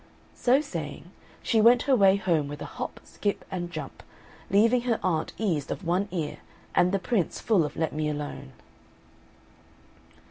So saying, she went her way home with a hop, skip, and jump, leaving her aunt eased of one ear and the Prince full of Let me alone.